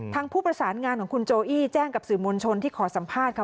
ผู้ประสานงานของคุณโจอี้แจ้งกับสื่อมวลชนที่ขอสัมภาษณ์ค่ะ